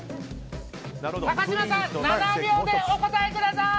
高嶋さん、７秒でお答えください。